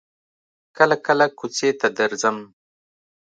کله کله کوڅې ته درځم.